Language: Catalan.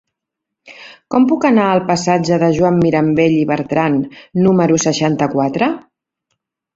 Com puc anar al passatge de Joan Mirambell i Bertran número seixanta-quatre?